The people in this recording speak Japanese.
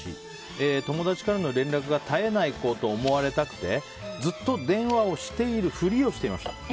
友達からの連絡が絶えない子と思われたくてずっと電話をしている振りをしていました。